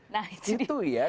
nah itu dia